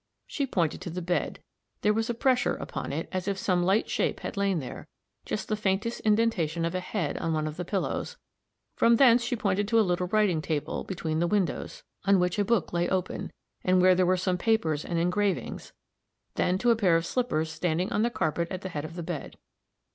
She pointed to the bed; there was a pressure upon it, as if some light shape had lain there just the faintest indentation of a head on one of the pillows; from thence she pointed to a little writing table, between the windows, on which a book lay open, and where there were some papers and engravings; then to a pair of slippers standing on the carpet at the head of the bed.